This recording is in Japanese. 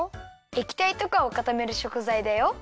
えきたいとかをかためるしょくざいだよ。